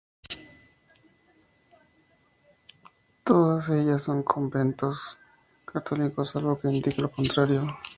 Todos ellas son conventos católicos, salvo que se indique lo contrario.